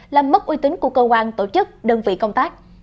làm mất uy tín của cơ quan tổ chức đơn vị công tác